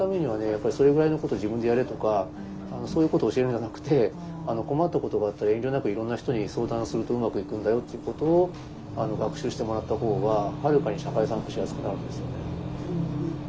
やっぱり「それぐらいのこと自分でやれ」とかそういうことを教えるんじゃなくて「困ったことがあったら遠慮なくいろんな人に相談するとうまくいくんだよ」っていうことを学習してもらった方がはるかに社会参加しやすくなるんですよね。